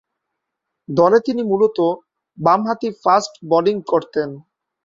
দলে তিনি মূলতঃ বামহাতি ফাস্ট বোলিং করতেন।